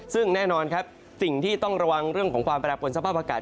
ซึ่งแน่นอนครับสิ่งที่ต้องระวังเรื่องของความแปรปนสภาพอากาศ